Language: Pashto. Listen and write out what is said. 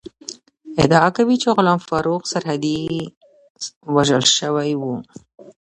ادعا کوي چې غلام فاروق سرحدی وژل شوی ؤ